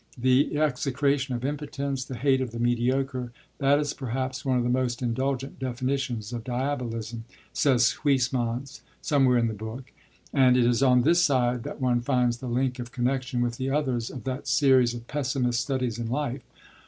'The execration of impotence, the hate of the mediocre that is perhaps one of the most indulgent definitions of Diabolism,' says Huysmans, somewhere in the book, and it is on this side that one finds the link of connection with the others of that series of pessimist studies in life.